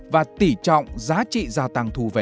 và tỉ trọng giá trị gia tăng thu về